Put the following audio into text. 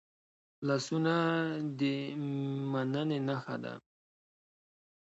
لاسونه د میننې نښه ده